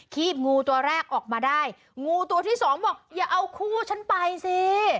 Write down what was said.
ีบงูตัวแรกออกมาได้งูตัวที่สองบอกอย่าเอาคู่ฉันไปสิ